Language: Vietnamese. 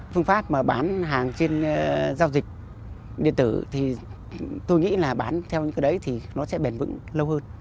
phương pháp mà bán hàng trên giao dịch điện tử thì tôi nghĩ là bán theo những cái đấy thì nó sẽ bền vững lâu hơn